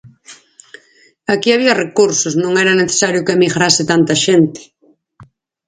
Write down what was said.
Aquí había recursos, non era necesario que emigrase tanta xente.